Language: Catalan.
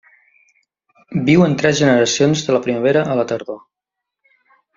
Viu en tres generacions de la primavera a la tardor.